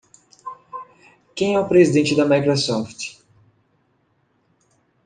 Quem é o presidente da Microsoft?